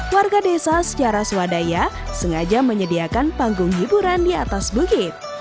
warga desa secara swadaya sengaja menyediakan panggung hiburan di atas bukit